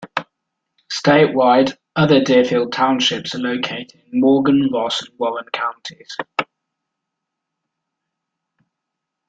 Statewide, other Deerfield Townships are located in Morgan, Ross, and Warren counties.